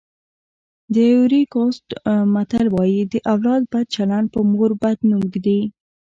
د ایوُري کوسټ متل وایي د اولاد بد چلند په مور بد نوم ږدي.